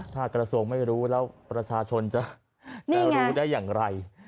ถ้ากระทรวงไม่รู้แล้วประชาชนจะรู้ได้อย่างไร